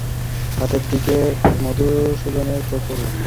কিছুক্ষণ এইভাবে যায় এমন সময় হঠাৎ কুমুর হাতের দিকে মধুসূদনের চোখ পড়ল।